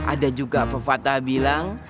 ada juga fafatah bilang